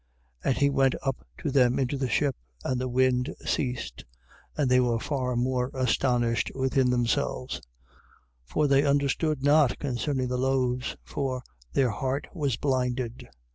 6:51. And he went up to them into the ship, and the wind ceased: and they were far more astonished within themselves: 6:52. For they understood not concerning the loaves; for their heart was blinded.